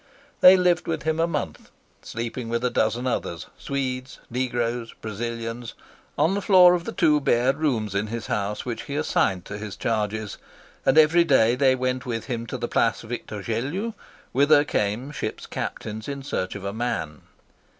They lived with him a month, sleeping with a dozen others, Swedes, negroes, Brazilians, on the floor of the two bare rooms in his house which he assigned to his charges; and every day they went with him to the Place Victor Gelu, whither came ships' captains in search of a man.